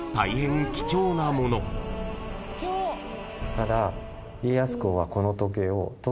ただ。